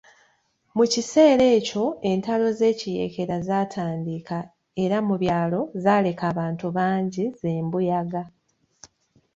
Mu kiseera ekyo entalo z'ekiyeekera zaatandika era mu byalo zaaleka abantu bangi ze mbuyaga.